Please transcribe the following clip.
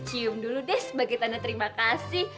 cium dulu deh sebagai tanda terima kasih